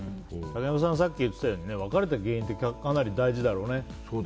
竹山さんがさっき言っていたように別れた原因って大事だろうね。